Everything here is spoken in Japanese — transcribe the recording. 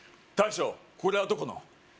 大将これはどこの？